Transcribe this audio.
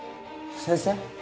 先生。